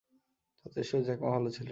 ছাত্র হিসেবে Jack Ma ভাল ছিলেন না।